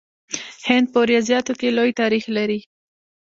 هند په ریاضیاتو کې لوی تاریخ لري.